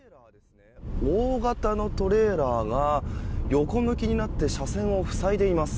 大型のトレーラーが横向きになって車線を塞いでいます。